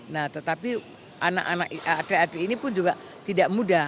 nah tetapi anak anak atlet atlet ini pun juga tidak mudah